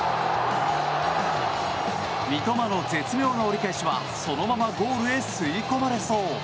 三笘の絶妙な折り返しはそのままゴールへ吸い込まれそう。